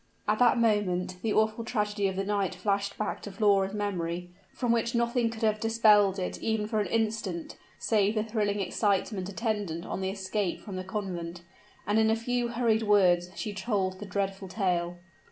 At that moment the awful tragedy of the night flashed back to Flora's memory, from which nothing could have dispelled it even for an instant, save the thrilling excitement attendant on the escape from the convent; and in a few hurried words, she told the dreadful tale.